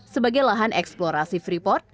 sebagai lahan eksplorasi freeport